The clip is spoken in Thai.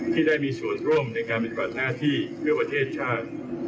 ที่ได้มีส่วนร่วมในการมีกรรมนาธิเพื่อประเทศชาติ